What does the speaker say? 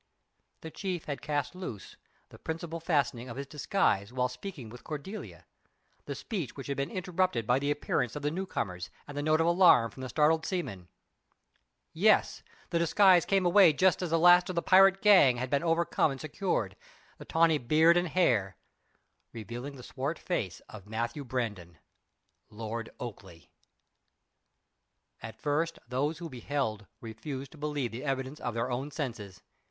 The chief had cast loose the principal fastening of his disguise while speaking with Cordelia the speech which had been interrupted by the appearance of the new comers and the note of alarm from the startled seamen. Yes, the disguise came away just as the last of the pirate gang had been overcome and secured the tawny beard and hair revealing the swart face of Matthew Brandon, Lord Oakleigh! At first those who beheld refused to believe the evidence of their own senses.